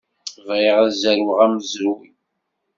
Bɣiɣ ad zerweɣ amezruy.